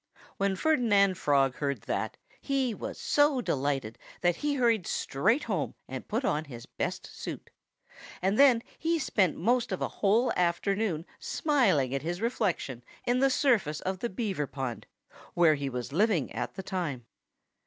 When Ferdinand Frog heard that, he was so delighted that he hurried straight home and put on his best suit. And then he spent most of a whole afternoon smiling at his reflection in the surface of the Beaver pond, where he was living at the time.